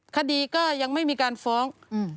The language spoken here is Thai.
คดีก็ยังไม่มีการฟ้อง